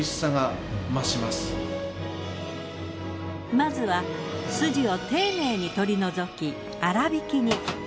まずはスジを丁寧に取り除き粗挽きに。